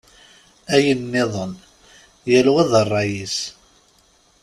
Ayen-nniḍen, yal wa d ṛṛay-is.